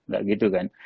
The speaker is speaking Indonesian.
gak gitu kan